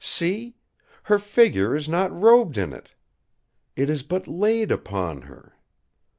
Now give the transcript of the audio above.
See! her figure is not robed in it. It is but laid upon her."